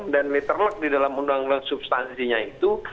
dan meterlek di dalam undang undang substansinya itu